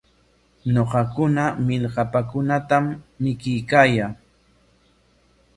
Ñuqakuna millkapaakunatam mikuykaayaa.